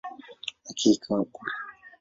Lakini ikawa bure.